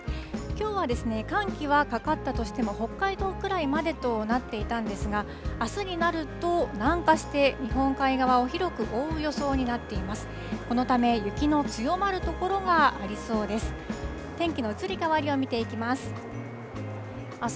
きょうは寒気はかかったとしても北海道くらいまでとなっていたんですが、あすになると南下して、日本海側を広く覆う予想になっています。